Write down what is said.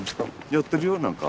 やってるよ何か。